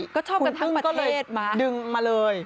นะครับคุณกึ้งก็เลยดึงมาเลย